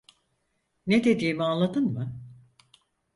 Ne dediğimi anladın mı?